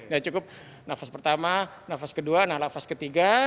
ya cukup nafas pertama nafas kedua nafas ketiga